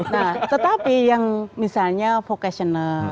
nah tetapi yang misalnya vocational